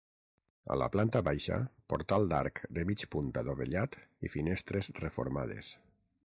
A la planta baixa, portal d'arc de mig punt adovellat i finestres reformades.